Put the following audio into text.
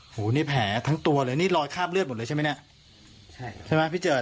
หูนี่แผลทั้งตัวเลยนี่รอยคาบเลือดหมดเลยใช่ไหมเนี่ยใช่ไหมพี่เจิด